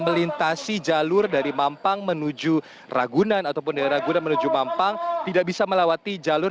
melintasi jalur dari mampang menuju ragunan ataupun rangguna menuju mampang tidak bisa melawati jalur